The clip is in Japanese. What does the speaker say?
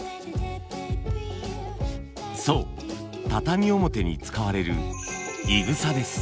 そう畳表に使われるいぐさです。